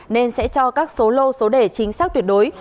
nên sẽ cho các số lô số đề chính xác tuyệt đối